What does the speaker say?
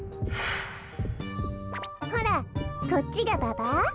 ほらこっちがババ？